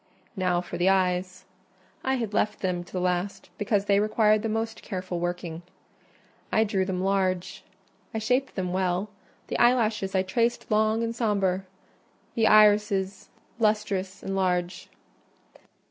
Now for the eyes: I had left them to the last, because they required the most careful working. I drew them large; I shaped them well: the eyelashes I traced long and sombre; the irids lustrous and large.